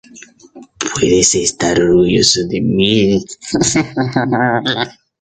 Puedes estar orgulloso de mí.